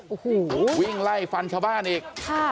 โอ้โหวิ่งไล่ฟันชาวบ้านอีก